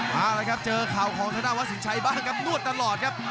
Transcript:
มาเลยครับเจอเข่าของธนวัสินชัยบ้างครับนวดตลอดครับ